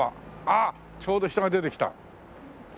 あっちょうど人が出てきた。